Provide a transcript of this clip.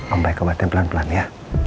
ombaik obatin pelan pelan ya